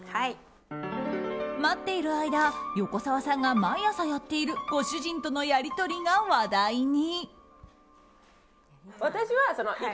待っている間横澤さんが毎朝やっているご主人とのやり取りが話題に。